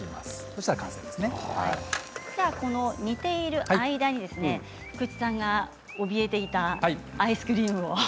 そうしたら完成ですね。煮ている間に福地さんがおびえていたアイスクリームを。